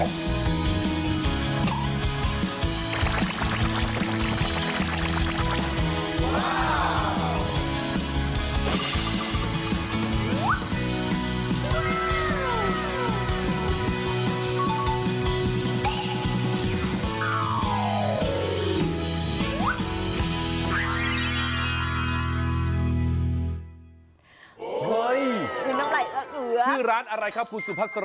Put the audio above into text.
แค่แค่นี้